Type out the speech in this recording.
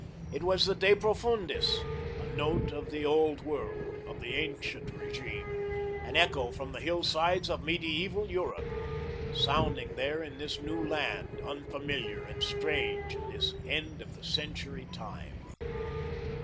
It was the de Profundis, a note of the Old World; of the ancient regime, an echo from the hillsides of mediaeval Europe, sounding there in this new land, unfamiliar and strange at this end of the century time.